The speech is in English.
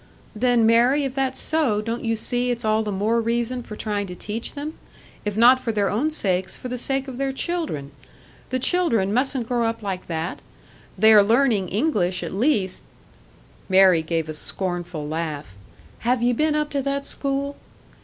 "Then, Mary, if that's so, don't you see it's all the more reason for trying to teach them? If not for their own sakes, for the sake of their children! The children, mustn't grow up like that! They are learning English, at least " Mary gave a scornful laugh. "Have ye been up to that school?"